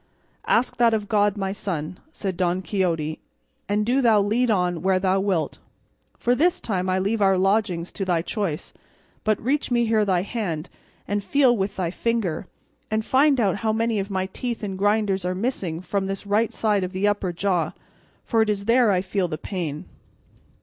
"Ask that of God, my son," said Don Quixote; "and do thou lead on where thou wilt, for this time I leave our lodging to thy choice; but reach me here thy hand, and feel with thy finger, and find out how many of my teeth and grinders are missing from this right side of the upper jaw, for it is there I feel the pain."